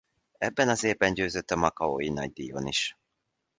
Ebben az évben győzött a makaói nagydíjon is.